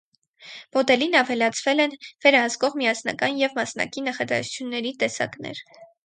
Մոդելին ավելացվել են վերահսկող, միասնական և մասնակի նախադասությունների տեսակներ։